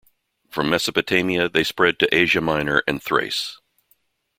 From Mesopotamia they spread to Asia Minor and Thrace.